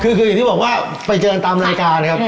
คืออย่างที่บอกว่าไปเจอกันตามรายการนะครับ